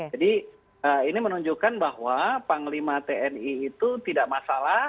jadi ini menunjukkan bahwa panglima tni itu tidak masalah